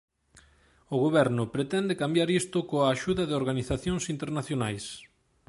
O goberno pretende cambiar isto coa axuda de organizacións internacionais.